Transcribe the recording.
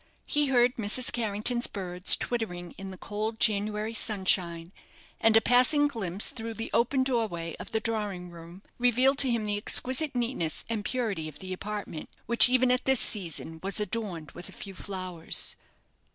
He heard Mrs. Carrington's birds twittering in the cold January sunshine, and a passing glimpse through the open doorway of the drawing room revealed to him the exquisite neatness and purity of the apartment, which even at this season was adorned with a few flowers.